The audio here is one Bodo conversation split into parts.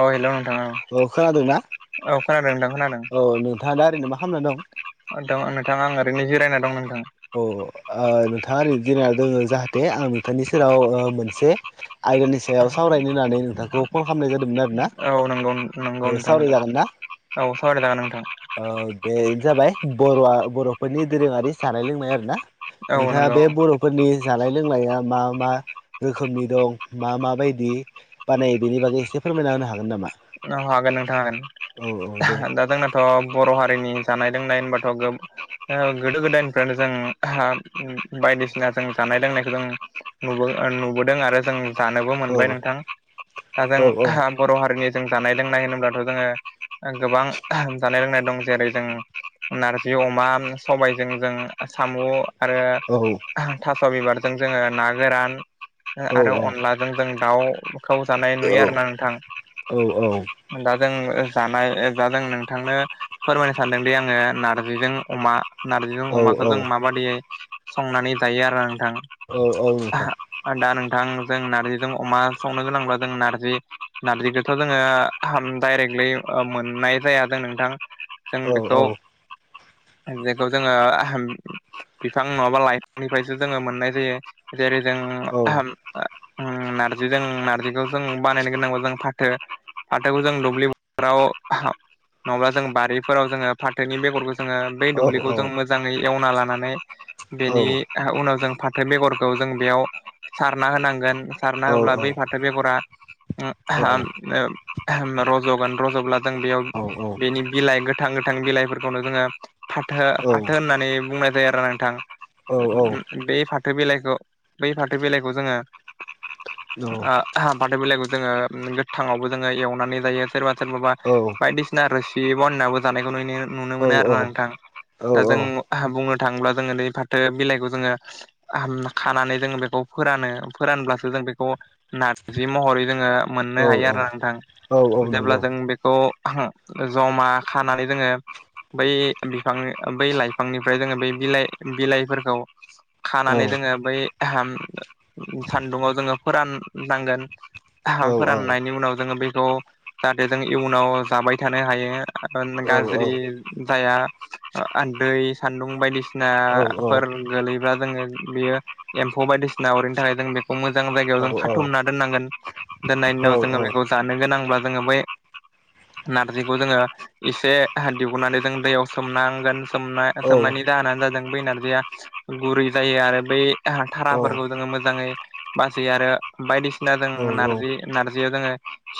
औ हेल'। औ खोनादोंना औ खोनादों नोंथां खोनादों औ नोंथाङा दा ओरैनो मा खालामना दं। नोंथां आं ओरैनो जिरायना दं नोंथाङा? अ नोंथाङा ओरैनो जिरायना दङ जाहाथे आं नोंथांनि सेराव मोनसे। आयदानि सायाव सावरायनो होननानै नोंथांखौ फन खालामनाय जादोंमोन आरो। औ नंगौ नंगौ औ नोंथां सावराय नंगौ जागोन ना औ सावरायजागोन नोंथां बे जाबाय बर'आ बर'फोरनि दोरोङारि जानाय लोंनाय आरो ना। औ नोंथाङा नंगौ बे बर'फोरनि जानाय लोंनाया मा मा? रोखोमनि दं मा माबायदि बानायो बेनि बागै एसे फोरमायना होनो हागोन नामा औ हागोन औ औ नोंथां दे दा जोंनाथ' बर' हारिनि जानाय नाय होनबाथ' गोदो गोदायनिफ्रायनो जों बायदिसिना जों ज नायखौ जों नुबोदों आरो जों जानोबो औ मोनबाय नोंथां दा जों औ बर' हारिनि जों जानाय लोंनाय होनोब्लाथ' जोङो गोबां जानाय लोंनाय दं जेरै जों नारजि अमा सबायजों जों साम' आरो औ थास' बिबारजों जोंङो ना गोरान औ आरो अनलाजों जों दाउखौ जानाय नुयो आरोना नोंथां औ दा जों जानाय दा जों नोंथांनो फोरमायनो सानदोंदि आंङो नारजिजों अमा नारजिजों औ अमाखौ औ जों माबादियै संनानै जायो आरो नोंथां औ नोंथां आरो दा गोथां जों नारजिजों अमा संनो गोनांब्ला जों नारजि नारजि थ' जोंङो डाइरेक्टलि मोननाय जाया जों नोंथां जों औ औ बेखौ जेखौ जोंङो बिफां नंङाबा लाइफांनिफ्रायसो जोंङो मोननाय जायो। जेरै जों औ नारजि जों नार्जिखौ जों बानायनो गोनांगौ जों फाथो फाथोखौ जों दुब्लि फोथाराव नंङाब्ला जों बारिफोराव जोंङो फाथोनि बेगरखौ ज जोंङो बै औ दुब्लिखौ जों मोजांङै एवना लानानै बेनि उनाव जों फाथो बेगरखौ जों बेयाव सारना होनांगोन सारना होब्ला बै फाथो बेगरा औ रज'गोन रज'ब्लादों बेयाव बेनि बिलाइ गोथ गोथां - गोथां बिलाइफोरखौनो जोंङो फाथो फाथो होननानै बुंनाय जायो आरोना नोंथां बेै फाथो बिलाइखौ बै फाथो बिलाइखौ जोंङो फाथो बिलाइखौ जोंङो गोथाङावबो जोंङो एवनानै जायो सोरबा सोर माबा बायदिसिना रोसि बनायबो जानायखौ नुनो नुनो मोनो आरोना नोंथां दा जों बुंनो थाङोब्ला जोंङो नै फाथो बिलाइखौ जोंङो खानानै जोंङो बेखौ फोरानो फोरानब्लासो जो बेखौ नारजि महरै जोंङो मोननो हायो आरो नोंथां औ नंगौ जेब्ला जों बेखौ जमा खानानै जोंङो बै बिफांनि बै लाइफांनिफ्राय जोंङो बै बिलाइ बिलाइफोरखौ खानानै जोंङो बै सान्दुंङाव जोंङो फोराननांगोन औ औ फोराननायनि उनाव जोंङो बेखौ जाहाथे जों इयुनाव जाबाय थानो हायो। औ गाज्रि जाया दैै सान्दुं बायदिसिना औ औ औ सिनाफोर गोलैब्ला जोंङो बेयो एम्फौ बायदिसिना अरिनि थाखाय जों बे मोजां जायायाव जों खाथुमना दोननांगोन दोननायनि उनाव जों बेखौ जानो गोनांब्ला जोंङो बै नारजिखौ जोंङो एसे दिहुननानै जों दैयाव सोमनांगोन औ सोमनायनि जाहोनानो जादों बै नारजिया गुरै जायो आरो बै धाराफोरखौ जोंङो मोजाङै बासियो आरो बायदिसिना जों नारजियाव जोंङो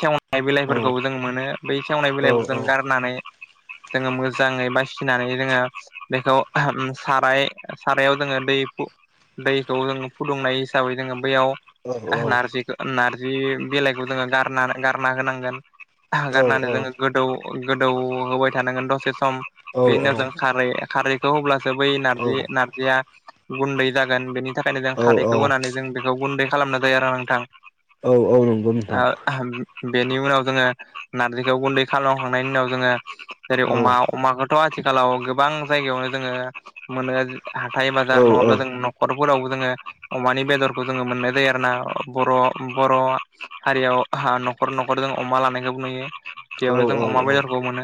सेवनाय बिलाइफोरखौबो जों मोनो बै सेवनाय बिलाइफोरजों गारनानै जोंङो मोजांङै बासिनानै जोंङो बेखौ साराय सारायाव जोंङो दै दैखौ जों फुदुंनाय हिसाबै जोंङो बैयाव नारजिखौ नारजि बिलाइखौ जोंङो गारना गारना होनांगोन गारनानै जोंङो गोदौ गोदौ होबाय थानांगोन दसे सम बे उनाव जों खारै खारैखौ होबब्लासो बै नारजि नारजिया गुन्दै जागोन बेनि थाखायनो जों खारैखौ होनानै जों बेखौ गुन्दै खालामनाय जायो आरो नोंथां औ औ नंगौ नोंथां। बेनि उनाव जोंङो नारजिखौ गुन्दै खालामखांनायनि उनाव जोंङो जेरै औ अमा अमाखौथ आथिखालाव गोबां जायगायावनो जोंङो मोनो हाथाय औ बाजार नंङाब्ला जों न'खरफोरावबो जोंङो अमानि बेदरखौ जोंङो मोननाय जायो आरोना बर' बर' हारियाव न'खर न'खरजों अमा लानायखौबो नुयो। औ बेयावनो जों अमा बेदरखौ मोनो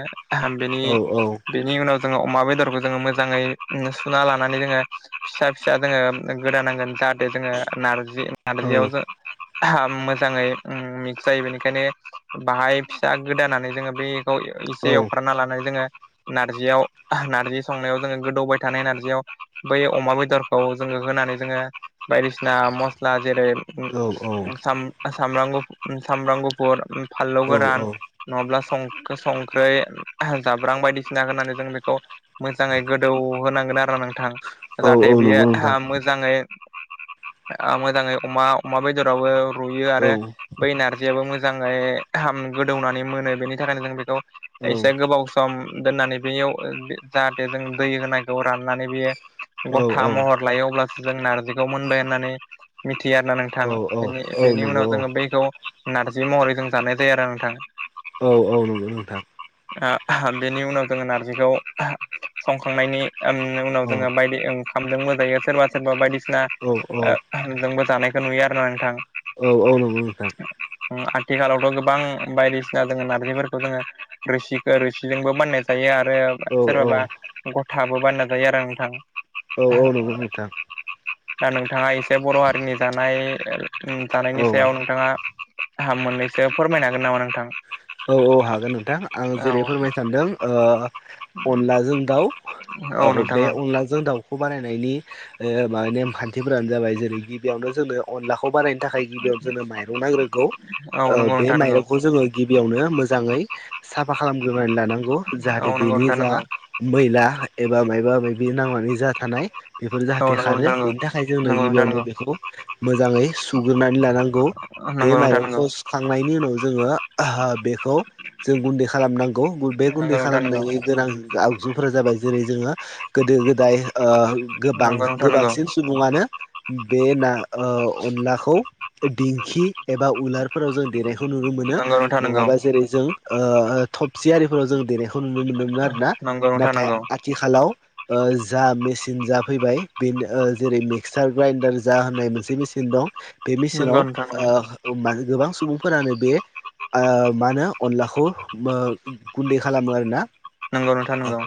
बेनि बेनि उनाव जोङो अमा बेदरखौ जोङो मोजाङै सुना लानानै जोङो फिसा फिसा जोङो गोदानांगोन जा जोङो नारजि नारजियाव मोजाङै मिक्स जायो बेनिखायनो बाहाय फिसा गोदानानै जोङो बेै खौ एसे एवफ्राना लानाय जोङो नारजियाव नारजि संनायाव जोङो गोदौबाय थानाय नारजियाव बै अमा बेदरखौ जोङो होनानै जोङो बायदिसिना मस्ला जेरै औ औ औ सामब्राम गुफु सामब्राम गुफुर फानलौ औ गोरान नङाब्ला संख्रै जाब्रां बायदिसिना होनानै जों बेखौ मोजाङै गोदौ होनांगोन आरो नोंथां औ औ जाहाथे बियो नंगौ नोंथां मोजाङै मोजाङै अमा अमा बेदरावबो रुयो औ आरो बै नारजियाबो मोजा मोजाङै गोदौनानै मोनो बेनि थाखायनो जों बेखौ औ एसे गोबाव सम दोननानै बेयाव जाहाथे जों दै होनांगौ राननानै बेयो औ गथा औ महर लायो अब्लासो जों नारजिखौ मोनबाय होननानै मिथियो आरोना नोंथां। औ औ बेनि औ बेनि उनाव नंगौ जोङो बैखौ नारजि महरै जों जानाय जायो आरो नोंथां। औ औ नंगौ नोंथां। बेनि उनाव जोङो नारजिखौ संखांनायनि उनाव औ जोङो बायदि ओंखामजोंबो‌ जायो सोरबा सोरबा बायदि सिना औ जोंबो जानायखौ नुयो आरो ना नोंथां। औ औ नंगौ नोंथां आथिखालावथ गोबां बायदिसिना जोङो नारजिफोरखौ जोङो रोसि रोसिजोंबो बानायना जायो आरो औ रो सोरबाबा गथाबो बानायना जायो आरो नोंथां। औ औ नंगौ नोंथां। दा नोंथाङा एसे बर' हारिनि जानाय औ जानायनि सायाव नोंथाङा आहा मोननैसो फोरमायनो हागोन नामा नोंथां? औ औ हागोन नोंथां आं औ जेरै फोरमायनो सानदों ओ अनलाजों दाउ। औ बे अनलाजों दाउखौ बानायनायनि ओ नेम खान्थिफोरानो जाबाय जेरैखि बेयावनो जोंनो अनलाखौ खौ बानायनो थाखाय गिबियावनो जोंनो माइरं नांग्रोगौ औ नंगौ बे नोंथां नंगौ माइरंखौ जोङो गिबियावनो मोजाङै साफा खालामग्रोनानै लानांगौ औ जाहाथे नंगौ बेनि नोंथां जा नंगौ मैला एबा मायबा मायबि नांनानै जा थानाय बेफोरो औ जाहाथे नंगौ खारो बेनि थाखाय जोंनो नोंथां नंगौ गिबियावनो बेखौ मोजाङै सुग्रोनानै लानांगौ बे नंगौ नोंथां नंगौ माइरंखौ सुखांनायनि उनाव जोङो बेखौ जों गुन्दै खालामनांगौ बे गुन्दै नंगौ नोंथां नंगौ खालामनाय गोनां आगजुफोरा जाबाय जेरै जोङो गोदो गोदाय गोबां नंगौ गोबांसिन सुबुङानो बे ना ओ अनलाखौ दिंखि एबा उलारफोराव जों देनायखौ नुनो मोनो नोंथां नंगौ नङाबा जेरै जों ओ ओ थप सि आरिफोराव जों देनायखौ नुनो मोन्दोंमोन आरो ना नंगौ नोंथां नंगौ नोंथां नाथाय नंगौ आथिखालाव जा मेसे चिन जा फैबाय बेनो जेरै मिक्सार ग्राइडार जा होननाय मोनसे मेचिन दं बे मिशिनाव नंगौ नोंथां नंगौ ओ गोबां सुबुंफोरानो बे आं मा होनो अनलाखौ गुन्दै खालामो आरोना। नंगौ नोंथां नंगौ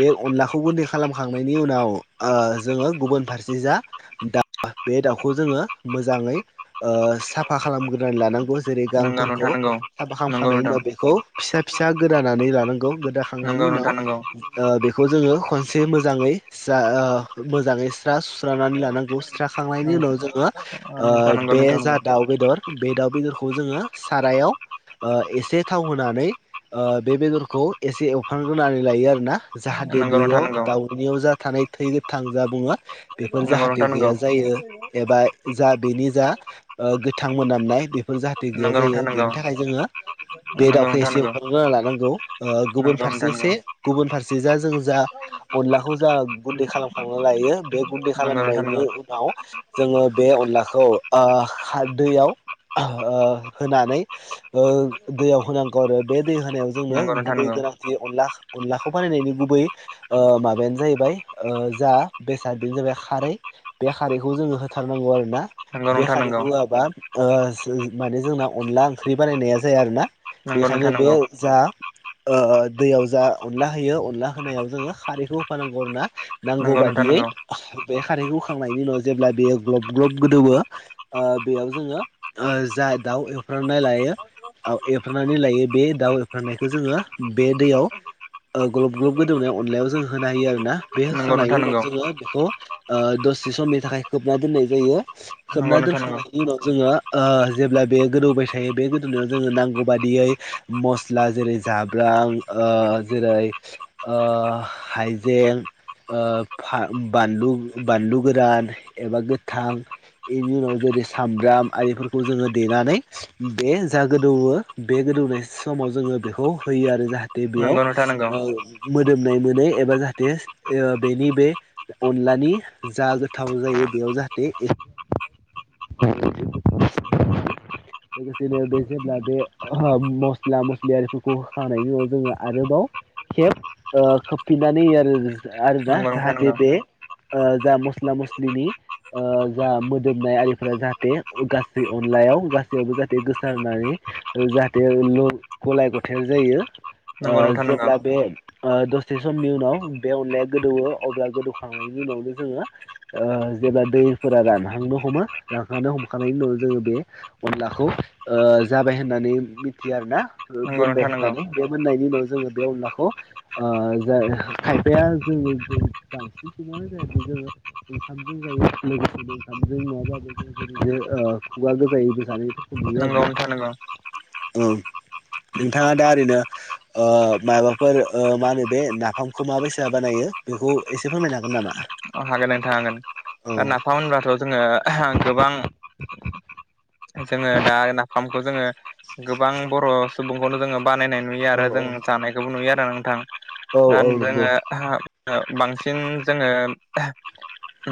बे अनलाखौबो गुनदै खालाम खांनायनि उनाव जोङो गुबुन फारसे जा दा बे दाउखौ जोङो मोजाङै ओ साफा खालामग्रोनानै लानांगौ जेरै नंगौ नोंथां गांफोरखौ नंगौ साफा नंगौ खालामखानाय नोंथां उनाव बेखौ फिसा फिसा गोदानानै लानांगौ नंगौ खांनायनि उनाव नोंथां नंगौ बेखौ जोङो खनसे मोजाङै जा मोजाङै स्रा सुस्रानानै लानांगौ सुस्राखांनायनि उनाव जोङो नोंथां नंगौ बे नोंथां जा नंगौ दाउ बेदर बे दाउ बेदरखौ जोङो सारायाव एसे थाव होनानै बे बेदरखौ एसे एवफ्रांग्रोनानै लायो आरोना जाहाथे नंगौ नोंथां बेयाव नंगौ दाउनियाव जा थानाय थै गोथां जा बुङो बेफोर जाहाथे गैया जायो एबा जा बेनि जा ओ गोथां मोनामनाय बेफोर जाहाथे गैया नंगौ नोंथां जायो नंगौ बेनि थाखाय जोङो बे नंगौ दाउखौ नोंथां एसे नंगौ एवफ्रामग्रोना‌ लानांगौ गुबुन नंगौ नोंथां नंगौ फारसे गुबुन फारसे जा जों जा अनला खौ जा गुन्दै खालामखांना लायो बे गुन्दै नंगौ नोंथां खालामनायनि नंगौ उनाव जोङो बे अनलाखौ ओ खारदैयाव होनानै ओ दैयाव होनांगौ आरो बे दै होनायाव जोंनो गुबै गोनांथि अनला अनलाखौ बानायनायनि ओ गुबै माबायानो जाहैबाय ओ जा बेसाद बेनो जाहैबाय खारै बे खारैखौ जोङो होथारनांगौ आरो ना नंगौ बे नोंथां नंगौ नोंथां खारैखौ नंगौ होआबा ओ माने जोंना अनला ओंख्रि बानायनाया जाया आरो ना नंगौ बेखायनो नोंथां बे नंगौ जा ओ दैयाव जा अनला होयो अनला होनायाव जोङो खारैखौ होफानांगौ आरो ना नांगौ नंगौ नोंथां बादियै नंगौ बे खारैखौ होखांनायनि उनाव जेब्ला बेयो ग्लब ग्लब गोदौवो बेयाव जोङो जा दाउ एवफ्राम- नाय लायो एवफ्रामनानै लायो बे दाउ एवफ्रामनायखौ जोङो बे दैयाव ओ ग्लब ग्लब गोदौनाय अनलायाव जों होना होयो आरो ना बे नंगौ होखांनायनि नोंथां उनाव नंगौ जोङो बेखौ ओ दसे समनि थाखाय खोबना दोननाय जायो नंगौ खोबना नोंथां नंगौ दोनखांनायनि उनाव जोङो ओ जेब्ला बेयो गोदौ बाय थायो बे गोदौनायाव जोङो नांगौ बादियै मस्ला जेरै जाब्रां जेरै आ हाइजें ओ बानलु बानलु गोरान एबा गोथां इनि उनाव जेरै सामब्राम आरिफोरखौ जोङो देनानै बे जा गोदौवो बे गोदौनाय समाव जोङो बेखौ होयो आरो जाहाथे बेयाव नंगौ नोंथां नंगौ ओ मोदोमनाय मोनो एबा जाहाथे ओ बेनि बे अनलानि जा गोथाव जायो बेयाव जाहाथे लोगोसेनो बे जेब्ला बे मस्ला मस्लि आरिफोरखौ होखांनायनि उनाव जोङो आरोबाव खेब ओ खोबफिननानै आरो आरोदा जाहाथे बे ओ जा मस्ला मस्लिनि ओ जा मोदोमनाय आरिफोरा जाहाथे गासै अनलायाव गा- सैयावबो जाहाथे गोसारनानै जाहाथे गलाय गथाय जायो आ नंगौ नोंथां नंगौ जेब्ला बे दसे समनि उनाव बे अनलाया गोदौवो अब्ला गोदौखांनायनि उनावनो जोङो ओ जेब्ला दैफोरा रानहांनो हमो रानहांनो हमखांनायनि उनाव जोङो बे अनलाखौ ओ जाबाय होननानै मिथियो आरो ना नंगौ नोंथां नंगौ नोंथां मोनबाय नंगौ नोंथां नंगौ होननानै बे मोननायनि उनाव जोङो बे अनलाखौ ओ खायफाया जोङो बांसिन सुबुङानो जाय ओंखामजों जायो लोगोसेनो ओंखामजों नङाब्ला बो ओरैनो ओ खुगा गोजायै नोंगौ नोंथां नांगौ औ नोंथाङा दा ओरैनो ओ माबाफोर मा होनो बे नाफामखौ माबायसा बानायो बेखौ एसे फोरमायनो हागोन नामा? हागोन नोंथां हागोन औ ओ नाफाम होनब्लाथ' जोङो गोबां जोङो दा नाफामखौ जोङो गोबां बर' सुबुंखौनो जोङो बानायनाय नुयो औ आरो जों जानायखौबो नुयो आरो नोंथां औ दा औ नंगौ जोङो बांसिन जोङो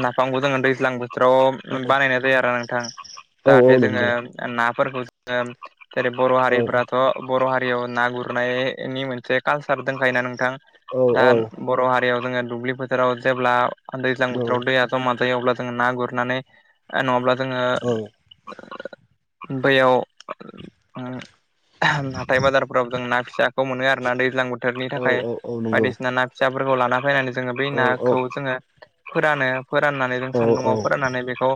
ना- -फामखौ जोङो दैज्लां बोथोराव बानायनाय जायो आरो नोंथां औ औ जाहाथे जोङो नंगौ ना फोरखौ जोङो जेरै बर' औ हारिफोराथ' बर' हारि ना गुरनायनि मोनसे कालचार दंखायोना नोंथां औ दा बर' हारि जों दुब्लि बोथोराव जेब्ला दैज्लां औ बोथोराव दै जमा जायो अब्ला जों ना गुरनानै नङाब्ला जोङो औ बैयाव हाथाय बाजारफोराव जों ना फिसाखौ मोनो आरो ना दैज्लां बोथोरनि थाखाय औ नंगौ औ नंगौ बायदिसिना ना फिसा फोरफोरखौ लाना फैनानै जोङो बेै औ औ नाखौ जोङो फोरानो फोराननानै जों औ औ सान्दुङाव फोराननानै बेखौ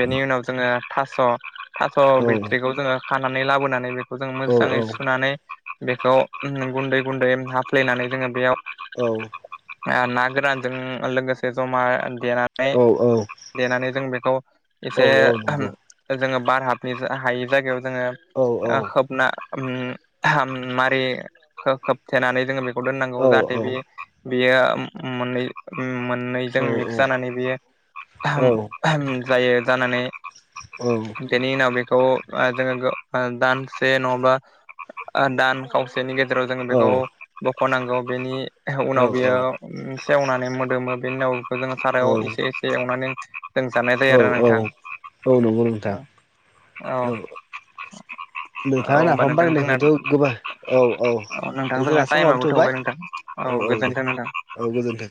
बेनि उनाव जोङो थास' थास' औ बिथत्रिखौ जोङो खानानै लाबोनानै बेखौ जों मोजाङै सुनानै बेखौ गुन्दै गुन्दै हाफ्लेनानै जोङो बेयाव औ ओ ना गोरानजों लोगोसे जमा देनानै औ देनानै जों बेखौ एसे आहाम जोङो बार हाबनि हायै जायगायाव जोङो ओ खोबना उम मारै खोबथेनानै जोङो बेखौ दोननांगौ जाहाथे बे बेयो मोननै मोन नैजों मिक्स जानानै बेयो जायो जानानै बेनि उनाव बेखौ आ जोङो गो दा दानसे नङाबा दान खावसेनि गेजेराव जोङो बेखौ ब खावनांगौ बेनि उनाव बियो सेवनानै मोदोमो बेनि उनाव खौ जोङो सारायाव एसे एसे एवनानै जों जानाय जायो औ आरो औ नोंथां औ नंगौ नोंथां औ औ नोंथाङा होमबा नाफाम नोंथां जोंना बानायनायखौथ' गोबां औ औ नोंथां दे जोंना जोंहा समाबो टाइमाबो थ'बाय थौबाय नोंथां औ गोजोन्थों नोंथां औ गोजोन्थों